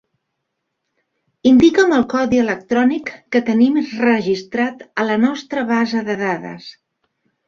Indica'm el codi electrònic que tenim registrat a la nostra base de dades.